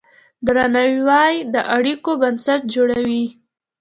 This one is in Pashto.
درناوی د اړیکو بنسټ جوړوي.